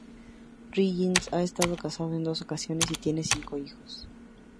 Riggins ha estado casado en dos ocasiones y tiene cinco hijos.